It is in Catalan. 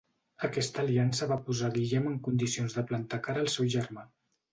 Aquesta aliança va posar a Guillem en condicions de plantar cara al seu germà.